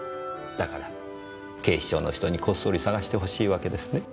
だから警視庁の人にこっそり捜してほしいわけですね？